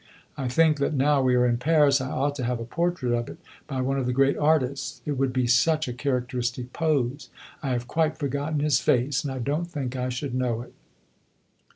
I think that now we are in Paris I ought to have a portrait of it by one of the great artists. It would be such a characteristic pose. I have quite forgotten his face and I don't think I should know it."